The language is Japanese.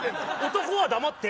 男は黙って。